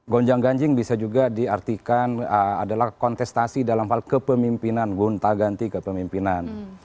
gonjang ganjing bisa juga diartikan adalah kontestasi dalam hal kepemimpinan gunta ganti kepemimpinan